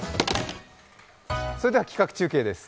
それでは企画中継です。